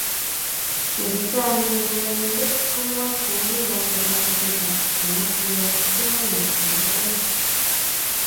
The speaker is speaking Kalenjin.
Nekitaame choranindet, komwoch kongoi lakwetab Kifuja amu kiyotyi konyekchi chebo orit